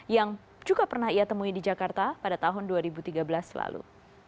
yang juga pernah ia temui di jakarta pada tahun dua ribu tiga belas lalu